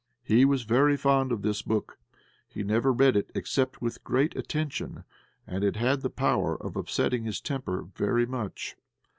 He was very fond of this book; he never read it except with great attention, and it had the power of upsetting his temper very much.